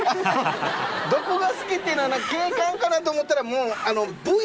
「どこが好き？」っていうの景観かなと思ったらもうあの。